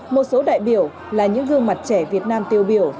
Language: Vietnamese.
một số đại biểu là những gương mặt trẻ việt nam tiêu biểu